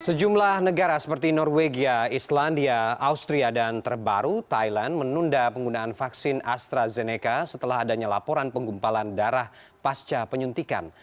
sejumlah negara seperti norwegia islandia austria dan terbaru thailand menunda penggunaan vaksin astrazeneca setelah adanya laporan penggumpalan darah pasca penyuntikan